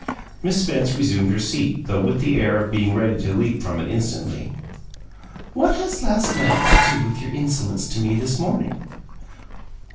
Miss Spence resumed her seat, though with the air of being ready to leap from it instantly. "What has last night to do with your insolence to me this morning?"